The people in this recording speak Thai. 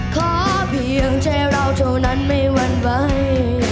ขอเพียงใจเราเท่านั้นไม่หวั่นไหว